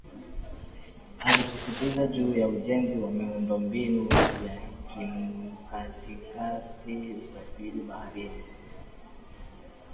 Alisisitiza juu ya ujenzi wa miundombinu ya kimkakati ya usafiri baharini